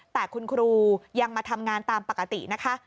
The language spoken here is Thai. แต่คุณครูยังมาทำงานตามปกตินะคะ